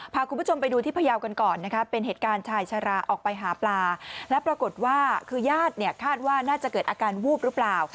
พาคุณผู้ชมไปดูที่พยาวกันก่อนนะคะเป็นเหตุการณ์ชายชะลาออกไปหาปลาและปรากฏว่าคือญาติเนี่ยคาดว่าน่าจะเกิดอาการวูบหรือเปล่า